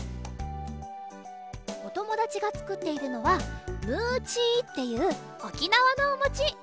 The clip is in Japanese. おともだちがつくっているのは「ムーチー」っていうおきなわのおもち。